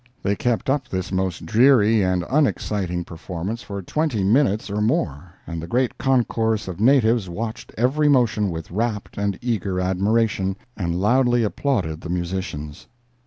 They kept up this most dreary and unexciting performance for twenty minutes or more, and the great concourse of natives watched every motion with rapt and eager admiration, and loudly applauded the musicians.